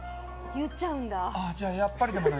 言っちゃうんだ。